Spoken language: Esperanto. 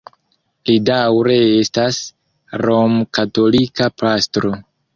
Li daŭre estas romkatolika pastro.